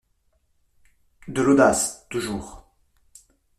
De l'audace, toujours